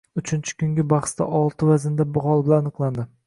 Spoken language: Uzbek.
Uchinchi kungi bahsda olti vaznda g‘oliblar aniqlandi